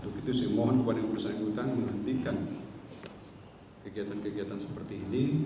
untuk itu saya mohon kepada yang bersangkutan menghentikan kegiatan kegiatan seperti ini